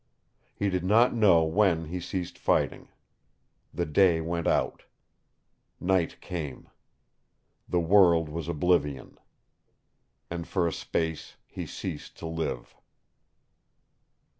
He did not know when he ceased fighting. The day went out. Night came. The world was oblivion. And for a space he ceased to live.